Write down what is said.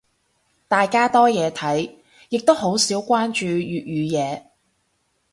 大家多嘢睇，亦都好少關注粵語嘢。